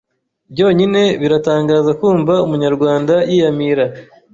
Byonyine birantangaza kumva Umunyarwanda yiyamira